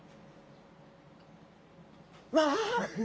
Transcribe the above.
わあ！